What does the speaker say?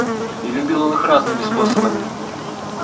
И любил он их разными способами.